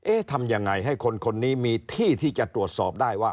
เอ๊ะทำอย่างไรให้คนนี้มีที่ที่จะตรวจสอบได้ว่า